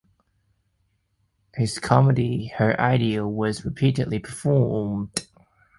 His comedy "Her Ideal" was repeatedly performed.